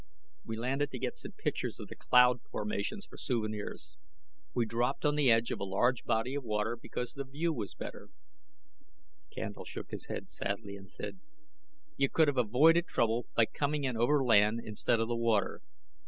"We landed to get some pictures of the cloud formations for souvenirs. We dropped on the edge of a large body of water because the view was better "Candle shook his head sadly and said, "You could have avoided trouble by coming in over the land instead of the water.